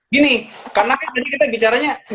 gini karena kan tadi kita bicaranya